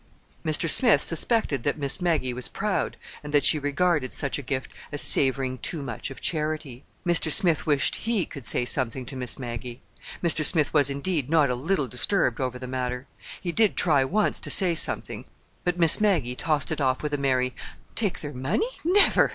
Mr. Smith suspected that Miss Maggie was proud, and that she regarded such a gift as savoring too much of charity. Mr. Smith wished he could say something to Miss Maggie. Mr. Smith was, indeed, not a little disturbed over the matter. He did try once to say something; but Miss Maggie tossed it off with a merry: "Take their money? Never!